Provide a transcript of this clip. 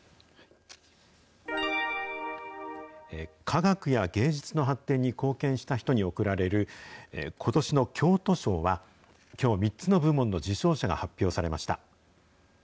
科学や芸術の発展に貢献した人に贈られる、ことしの京都賞は、きょう、３つの部門の受賞者が発表されました。